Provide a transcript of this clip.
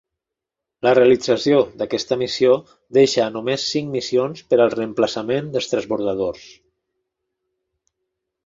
La realització d'aquesta missió deixa a només cinc missions per al reemplaçament dels Transbordadors.